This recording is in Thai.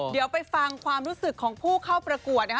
เดี๋ยวไปฟังความรู้สึกของผู้เข้าประกวดนะคะ